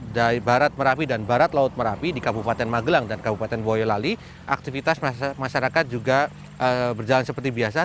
dari barat merapi dan barat laut merapi di kabupaten magelang dan kabupaten boyolali aktivitas masyarakat juga berjalan seperti biasa